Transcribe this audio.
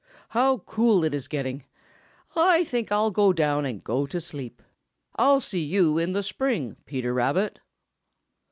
"How cool it is getting! I think I'll go down and go to sleep. I'll see you in the spring, Peter Rabbit."